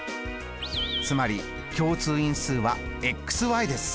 つまり共通因数はです。